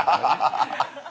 ハハハハ！